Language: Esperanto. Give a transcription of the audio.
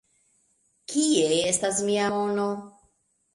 Kie estas mia mono?